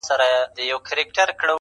تا چي نن په مينه راته وكتل.